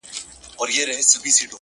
خاموش کار لوی بدلون راولي!